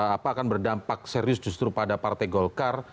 apa akan berdampak serius justru pada partai golkar